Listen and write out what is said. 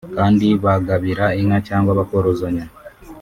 kandi bagabira inka cyangwa bakorozanya”